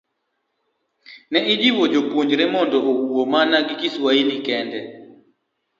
ne jiwo jopuonjre mondo owuo mana gi Kiswahili kende.